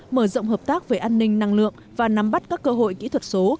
mở rộng hợp tác về an ninh năng lượng và nắm bắt các cơ hội kỹ thuật số